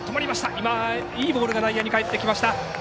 今いいボールが内野にかえってきました。